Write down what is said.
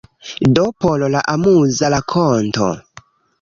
Do por la amuza rakonto.